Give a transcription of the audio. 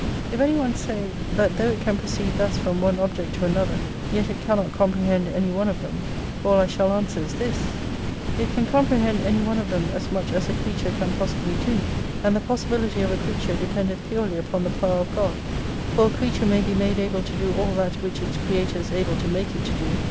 If any one say, that though it can proceed thus from one object to another, yet it can not comprehend any one of them, all I shall answer is this. It can comprehend any one of them as much as a creature can possibly do : and the possibility of a creature dependeth purely upon the power of God : for a creature may be made able to do all that which its Creator is able to make it to do.